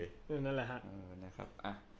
นั่นแหละครับ